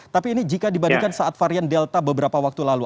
tapi ini jika dibandingkan saat varian delta beberapa waktu lalu